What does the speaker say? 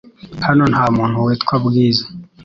Hano nta muntu witwa Bwiza .